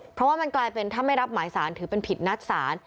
เพราะว่ามันกลายเป็นถ้าไม่รับหมายสารถือเป็นผิดนัดศาล